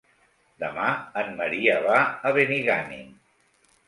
Demà en Maria va a Benigànim.